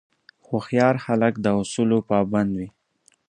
هوښیار خلک د اصولو پابند وي.